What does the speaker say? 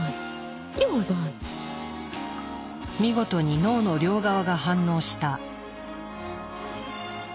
見事に脳の両側が反応した。